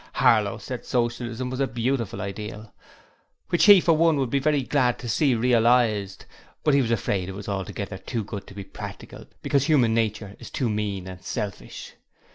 Harlow said Socialism was a beautiful ideal, which he for one would be very glad to see realized, and he was afraid it was altogether too good to be practical, because human nature is too mean and selfish.